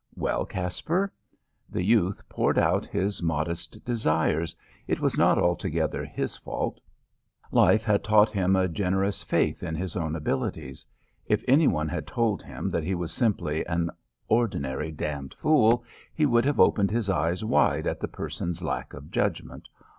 "Well, Caspar?" The youth poured out his modest desires. It was not altogether his fault. Life had taught him a generous faith in his own abilities. If any one had told him that he was simply an ordinary d d fool he would have opened his eyes wide at the person's lack of judgment.